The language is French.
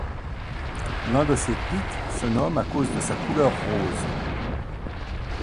L'un de ses pics se nomme à cause de sa couleur rose.